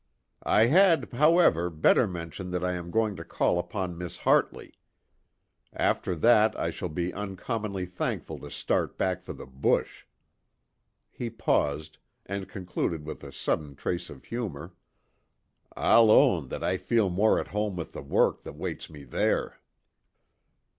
"I had, however, better mention that I am going to call upon Miss Hartley. After that I shall be uncommonly thankful to start back for the bush." He paused, and concluded with a sudden trace of humour: "I'll own that I feel more at home with the work that waits me there."